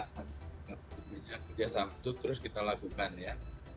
tentunya kerjasama itu terus kita lakukan ya